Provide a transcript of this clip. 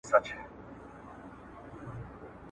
هلته ښځي خپل له لاسه ورکړی ځای بیرته تر لاسه کړی دی